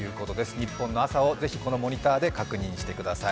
ニッポンの朝をぜひこのモニターで確認してください。